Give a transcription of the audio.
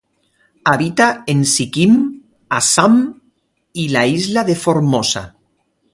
Habita en Sikkim, Assam y la isla de Formosa.